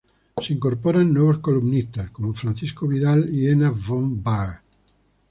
Se incorporan nuevos columnistas como Francisco Vidal y Ena von Baer.